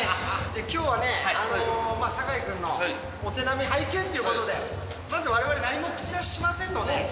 きょうはね、酒井君のお手並み拝見ということで、まず、われわれ何も口出ししませんので。